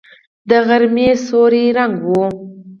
د غرمې سيوری ړنګ و.